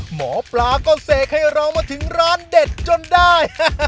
หมอปลาก็เสกให้เรามาถึงร้านเด็ดจนได้